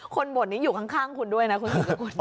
คนบ่นนี้อยู่ข้างคุณด้วยนะคุณ